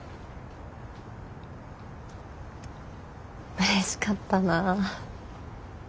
うれしかったなぁ。